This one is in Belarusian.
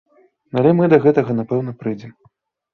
Але мы да гэтага напэўна прыйдзем.